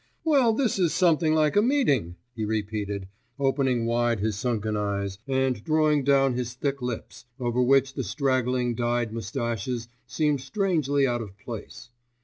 'Well, this is something like a meeting!' he repeated, opening wide his sunken eyes, and drawing down his thick lips, over which the straggling dyed moustaches seemed strangely out of place.